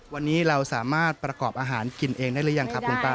วันนี้เราสามารถประกอบอาหารกินเองได้หรือยังครับคุณป้า